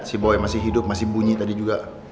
si boya masih hidup masih bunyi tadi juga